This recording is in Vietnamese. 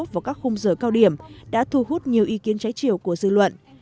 vào các khung giờ cao điểm đã thu hút nhiều ý kiến trái chiều của dư luận